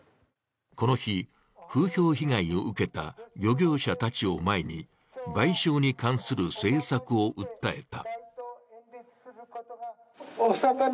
この日、風評被害を受けた漁業者たちを前に賠償に関する政策を訴えた。